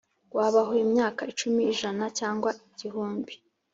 Wabaho imyaka icumi, ijana cyangwa igihumbi,